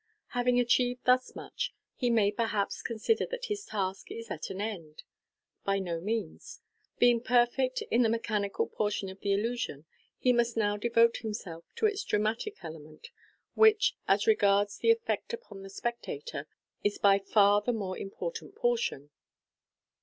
Having achieved thus much, he may perhaps con sider that his task is at an end. By no means. Being perfect in the mechanical portion of the illusion, he must now devote him self to its dramatic element, which, as regards the effect upon the spectator, is by far the more important portion.